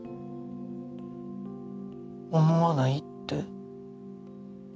思わないって？